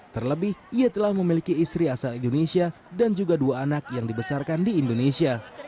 terlebih ia telah memiliki istri asal indonesia dan juga dua anak yang dibesarkan di indonesia